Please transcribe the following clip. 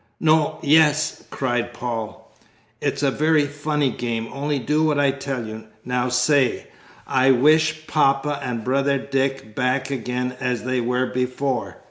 "No yes!" cried Paul, "it's a very funny game; only do what I tell you. Now say, 'I wish Papa and Brother Dick back again as they were before.'